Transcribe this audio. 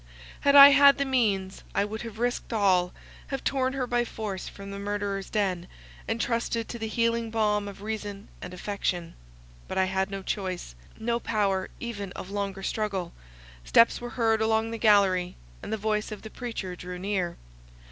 Had I had the means, I would have risked all, have torn her by force from the murderer's den, and trusted to the healing balm of reason and affection. But I had no choice, no power even of longer struggle; steps were heard along the gallery, and the voice of the preacher drew near.